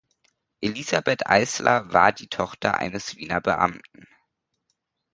Elisabeth Eisler war die Tochter eines Wiener Beamten.